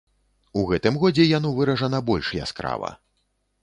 У гэтым годзе яно выражана больш яскрава.